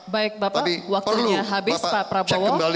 baik bapak waktunya habis pak prabowo